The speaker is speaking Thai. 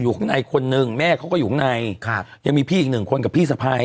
ข้างในคนนึงแม่เขาก็อยู่ข้างในครับยังมีพี่อีกหนึ่งคนกับพี่สะพ้าย